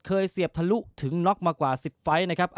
เสียบทะลุถึงน็อกมากว่า๑๐ไฟล์นะครับ